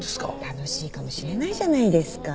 楽しいかもしれないじゃないですか。